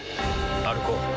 歩こう。